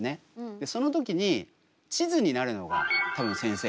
でその時に地図になるのが多分先生かな。